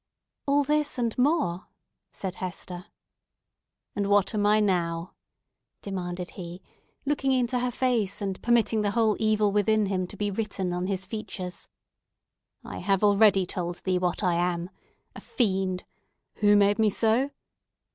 "All this, and more," said Hester. "And what am I now?" demanded he, looking into her face, and permitting the whole evil within him to be written on his features. "I have already told thee what I am—a fiend! Who made me so?"